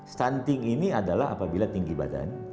stunting ini adalah apabila tinggi badan di bawah minus dua standar